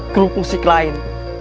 grup musik lain